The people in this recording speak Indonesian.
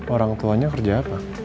orang tuanya kerja apa